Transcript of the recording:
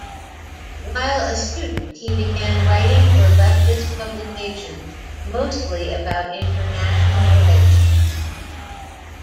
While a student, he began writing for leftist publications, mostly about international relations.